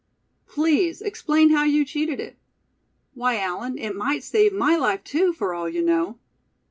Please explain how you cheated it. Why, Allan, it might save my life too, for all you know."